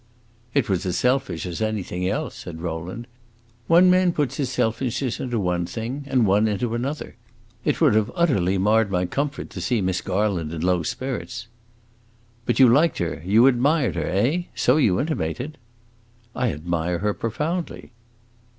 "It was as selfish as anything else," said Rowland. "One man puts his selfishness into one thing, and one into another. It would have utterly marred my comfort to see Miss Garland in low spirits." "But you liked her you admired her, eh? So you intimated." "I admire her profoundly."